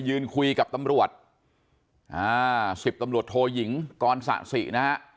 ยืนคุยกับตำรวจอ่าสิบตำรวจโทยิงกรสะสินะฮะ